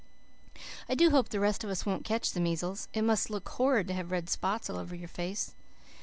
"I do hope the rest of us won't catch the measles. It must look horrid to have red spots all over your face.